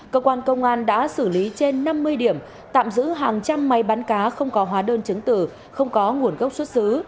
cơ quan công an đã xử lý trên năm mươi điểm tạm giữ hàng trăm máy bán cá không có hóa đơn chứng từ không có nguồn gốc xuất xứ